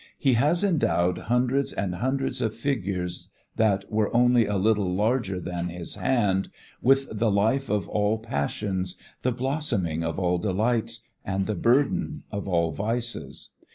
He has endowed hundreds and hundreds of figures that were only a little larger than his hand with the life of all passions, the blossoming of all delights and the burden of all vices.